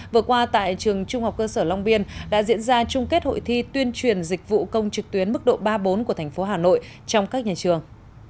vừa qua tại trường trung học cơ sở long biên đã diễn ra chung kết hội thi tuyên truyền dịch vụ công trực tuyến mức độ ba bốn của thành phố hà nội trong các nhà trường